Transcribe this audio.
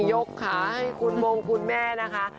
ยกขาให้คุณมงคุณแม่นะคะ